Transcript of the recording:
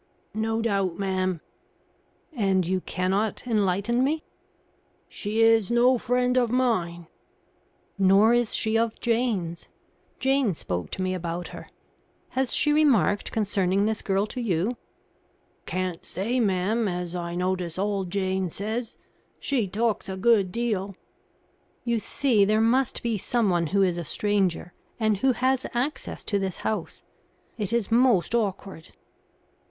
"No doubt, ma'am." "And you cannot enlighten me?" "She is no friend of mine." "Nor is she of Jane's. Jane spoke to me about her. Has she remarked concerning this girl to you?" "Can't say, ma'am, as I notice all Jane says. She talks a good deal." "You see, there must be someone who is a stranger and who has access to this house. It is most awkward."